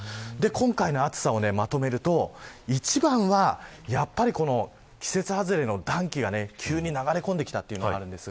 今回の暑さをまとめると一番は季節外れの暖気が急に流れ込んできたというところです。